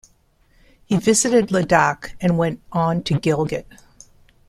He visited Ladakh and went on to Gilgit.